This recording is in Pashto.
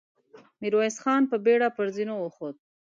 ميرويس خان په بېړه پر زينو وخوت.